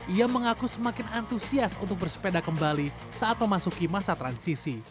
ia mengaku semakin antusias untuk bersepeda kembali saat memasuki masa transisi